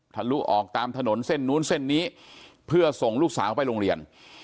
ลุออกตามถนนเส้นนู้นเส้นนี้เพื่อส่งลูกสาวไปโรงเรียน